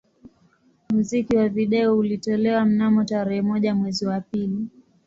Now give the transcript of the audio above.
Muziki wa video ulitolewa mnamo tarehe moja mwezi wa pili